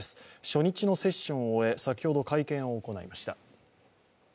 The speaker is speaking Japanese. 初日のセッションを終え先ほど、会見を行いました。